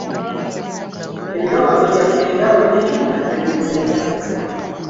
Ebirowoozo byaffe nga bwe biri, naffe bwe tubeera.